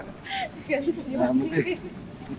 nah mesti turunin ya